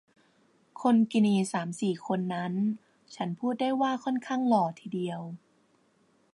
คนกินีสามสี่คนนั้น ฉันพูดได้ว่าค่อนข้างหล่อทีเดียว